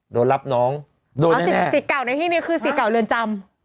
โดนรับน้องโดนแน่ศิกเก่าในที่นี่คือศิกเก่าเรือนจำ